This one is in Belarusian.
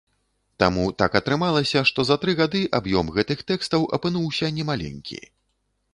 Таму так атрымалася, што за тры гады аб'ём гэтых тэкстаў апынуўся не маленькі.